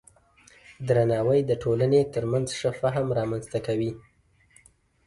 درناوی د ټولنې ترمنځ ښه فهم رامنځته کوي.